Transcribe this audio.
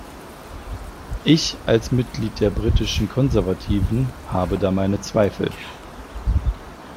Ich als Mitglied der britischen Konservativen habe da meine Zweifel.